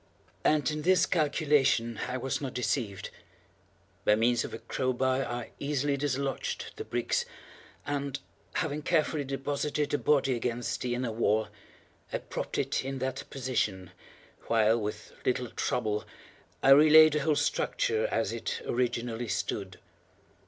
And in this calculation I was not deceived. By means of a crow bar I easily dislodged the bricks, and, having carefully deposited the body against the inner wall, I propped it in that position, while, with little trouble, I re laid the whole structure as it originally stood.